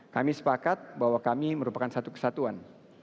kami sepakat bahwa kami merupakan satu kesatuan